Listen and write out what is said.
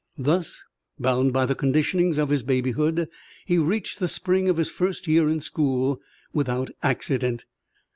Thus, bound by the conditionings of his babyhood, he reached the spring of his first year in school without accident.